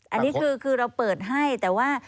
อันนี้คือเราเปิดให้แต่ว่า